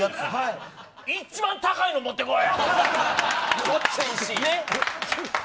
一番高いのもってこい。